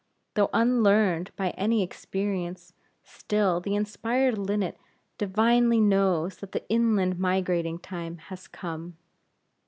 Though unlearned by any experience, still the inspired linnet divinely knows that the inland migrating time has come.